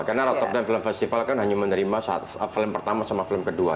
karena rotterdam film festival kan hanya menerima saat film pertama sama film kedua